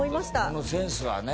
このセンスはね。